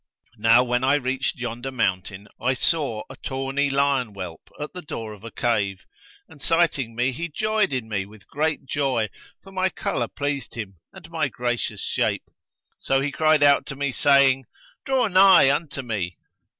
Now when I reached yonder mountain I saw a tawny lion whelp at the door of a cave, and sighting me he joyed in me with great joy, for my colour pleased him and my gracious shape; so he cried out to me saying, 'Draw nigh unto me.'